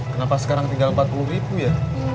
kenapa sekarang tinggal empat puluh ribu ya